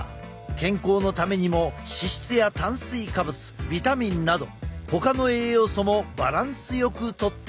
健康のためにも脂質や炭水化物ビタミンなどほかの栄養素もバランスよくとってほしい。